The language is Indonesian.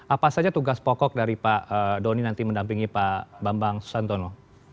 apa saja tugas pokok dari pak doni nanti mendampingi pak bambang susantono